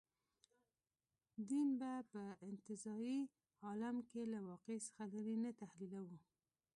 دین به په انتزاعي عالم کې له واقع څخه لرې نه تحلیلوو.